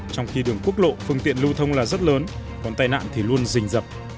trong khi đường quốc lộ phương tiện lưu thông là rất lớn còn tai nạn thì luôn dình dập